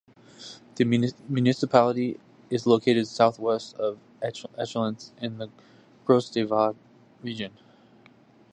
The municipality is located south-west of Echallens in the Gros-de-Vaud region.